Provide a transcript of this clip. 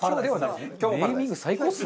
ネーミング最高ですね。